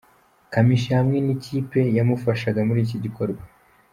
Kamichi hamwe n'ikipe yamufashaga muri iki gikorwa.